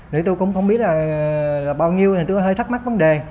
thì tôi cũng không biết là bao nhiêu thì tôi hơi thắc mắc vấn đề